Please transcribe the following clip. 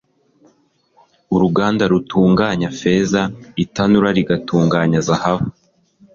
Uruganda rutunganya feza itanura rigatunganya zahabu